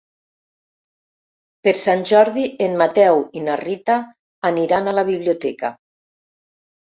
Per Sant Jordi en Mateu i na Rita aniran a la biblioteca.